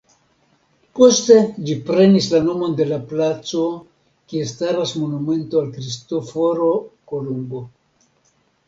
Poste ĝi prenis la nomon de la placo kie staras monumento al Kristoforo Kolumbo.